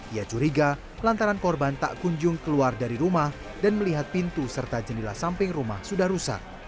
ia curiga lantaran korban tak kunjung keluar dari rumah dan melihat pintu serta jendela samping rumah sudah rusak